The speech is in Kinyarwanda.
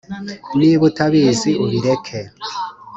Niba utabizi ubireke